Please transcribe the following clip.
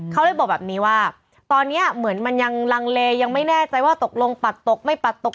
เขาเลยบอกแบบนี้ว่าตอนนี้เหมือนมันยังลังเลยังไม่แน่ใจว่าตกลงปัดตกไม่ปัดตก